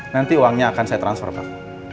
nanti uangnya akan saya transfer pak